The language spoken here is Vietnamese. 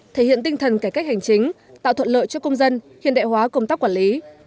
thể hiện tinh thần cải cách hành chính tạo thuận lợi cho công dân hiện đại hóa công tác quản lý